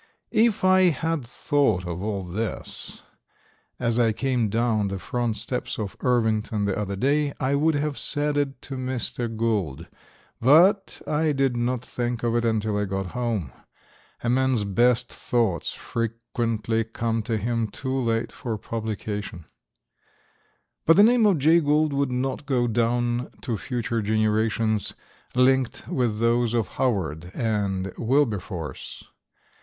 If I had thought of all this as I came down the front steps at Irvington the other day, I would have said it to Mr. Gould; but I did not think of it until I got home. A man's best thoughts frequently come to him too late for publication. But the name of Jay Gould will not go down to future generations linked with those of Howard and Wilberforce.